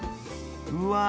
うわ